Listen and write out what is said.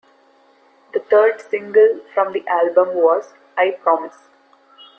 The third single from the album was "I Promise".